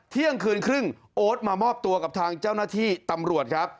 เที่ยงคืนครึ่งโอ๊ตมามอบตัวกับทางเจ้าหน้าที่ตำรวจครับ